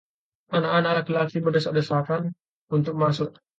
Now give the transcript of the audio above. Anak-anak laki-laki berdesak-desakan untuk masuk.